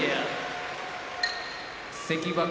関脇